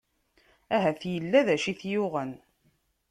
Ahat illa d acu i t-yuɣen.